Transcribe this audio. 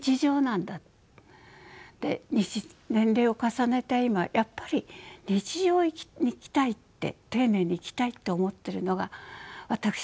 年齢を重ねた今やっぱり日常を生きたいって丁寧に生きたいって思ってるのが私なんだ。